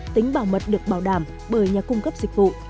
tính bảo mật được bảo đảm bởi nhà cung cấp dịch vụ